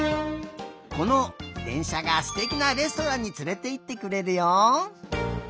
このでんしゃがすてきなレストランにつれていってくれるよ。